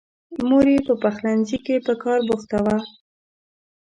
مور یې په پخلنځي کې په کار بوخته وه.